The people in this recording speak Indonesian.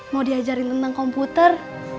mau diajarin tentang komputer